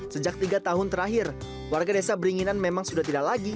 sejak tiga tahun terakhir warga desa beringinan memang sudah tidak lagi